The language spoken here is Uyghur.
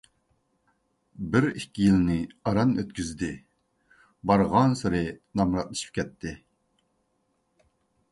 بىر - ئىككى يىلنى ئاران ئۆتكۈزدى، بارغانسېرى نامراتلىشىپ كەتتى.